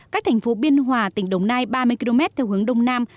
cách thành phố biên hòa tỉnh đồng nai ba mươi km theo hướng đông nam